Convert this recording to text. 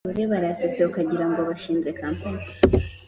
urore barasetse ukagira ngo bashinze campany